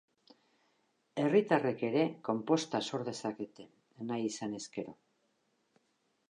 Herritarrek ere konposta sor dezakete, nahi izanez gero.